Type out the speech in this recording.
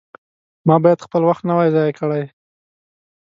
ما باید خپل وخت نه وای ضایع کړی.